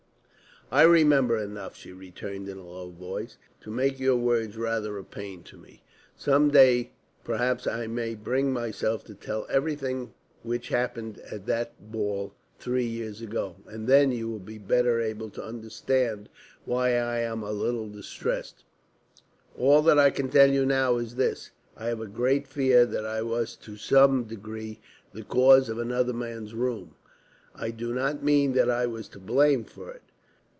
"I remember enough," she returned in a low voice, "to make your words rather a pain to me. Some day perhaps I may bring myself to tell everything which happened at that ball three years ago, and then you will be better able to understand why I am a little distressed. All that I can tell you now is this: I have a great fear that I was to some degree the cause of another man's ruin. I do not mean that I was to blame for it.